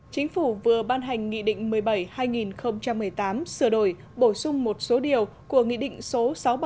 chính phủ vừa ban hành nghị định một mươi bảy hai nghìn một mươi tám sửa đổi bổ sung một số điều của nghị định số sáu mươi bảy hai nghìn một mươi bốn